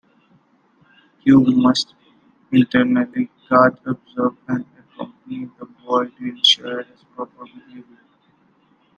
Q must eternally guard, observe, and accompany the boy to ensure his proper behavior.